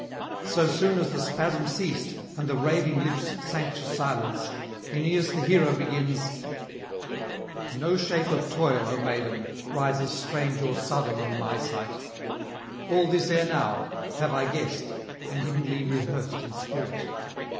So soon as the spasm ceased and the raving lips sank to silence, Aeneas the hero begins: 'No shape of toil, O maiden, rises strange or sudden on my sight; all this ere now have I guessed and inly rehearsed in spirit.